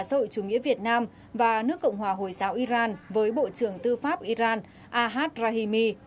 sâu chủ nghĩa việt nam và nước cộng hòa hồi giáo iran với bộ trưởng tư pháp iran ahad rahimi